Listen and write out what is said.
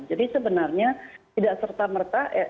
jadi sebenarnya tidak serta merta